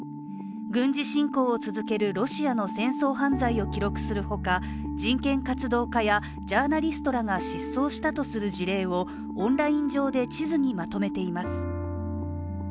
軍事侵攻を続けるロシアの戦争犯罪を記録するほか人権活動家やジャーナリストらが失踪したとする事例をオンライン上で地図にまとめています。